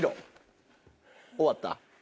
終わった？